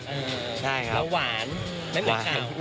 เออรู้ใช่ครับแล้วหวานไม่เหนือแค่เสา